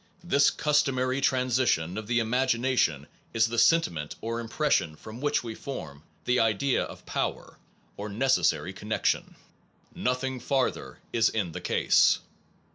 ... This customary transition of the imagination is the sentiment or impression from which we form the idea of power or neces 197 SOME PROBLEMS OF PHILOSOPHY sary connection. Nothing farther is in the case.